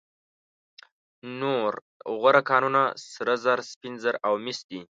نور غوره کانونه سره زر، سپین زر او مس دي.